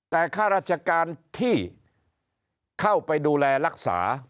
แต่ข้าราชการที่เข้าไปดูแลรักษา